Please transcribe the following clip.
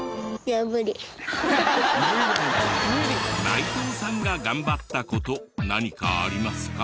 内藤さんが頑張った事何かありますか？